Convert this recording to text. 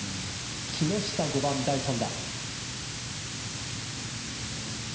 木下、５番、第３打。